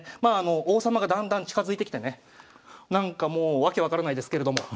王様がだんだん近づいてきてねなんかもう訳分からないですけれども。